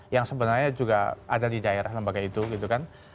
yang sebenarnya juga ada di daerah lembaga itu gitu kan